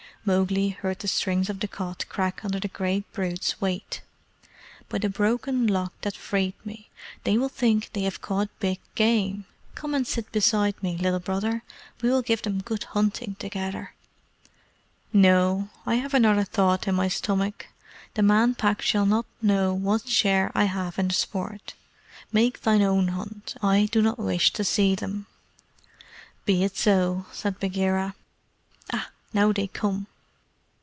Mowgli heard the strings of the cot crack under the great brute's weight. "By the Broken Lock that freed me, they will think they have caught big game! Come and sit beside me, Little Brother; we will give them 'good hunting' together!" "No; I have another thought in my stomach. The Man Pack shall not know what share I have in the sport. Make thine own hunt. I do not wish to see them." "Be it so," said Bagheera. "Ah, now they come!"